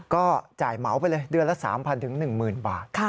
ก็จ่ายเหมาไปเลยเดือนละ๓๐๐๑๐๐บาท